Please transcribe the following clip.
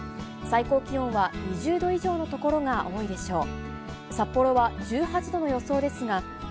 最高気温は２０度以上の所が多いでしょう。